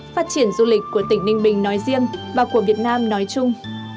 phát triển du lịch của tỉnh ninh bình nói riêng và của việt nam nói chung